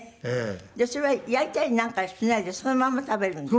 でそれは焼いたりなんかしないでそのまま食べるんですか？